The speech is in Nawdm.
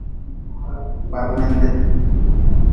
Kparmngende.